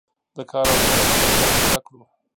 د کار او زیار ارزښت باید زده کړو.